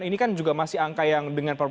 ini kan juga masih angka yang dengan